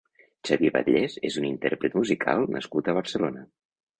Xavier Batllés és un intérpret musical nascut a Barcelona.